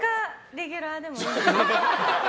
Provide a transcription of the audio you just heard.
レギュラーでもいいんですか？